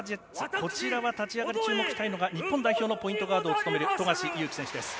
こちらは立ち上がり注目したいのが日本代表のポイントガードを務める富樫勇樹です。